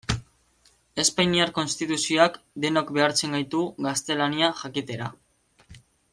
Espainiar Konstituzioak denok behartzen gaitu gaztelania jakitera.